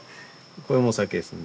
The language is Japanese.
これもお酒ですね。